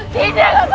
tidak kakak anda